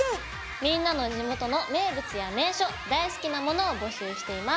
みんなの地元の名物や名所大好きなものを募集しています。